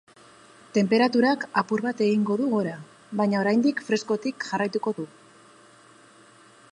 Tenperaturak apur bat egingo du gora, baina oraindik freskotik jarraituko du.